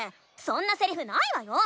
そんなセリフないわよ！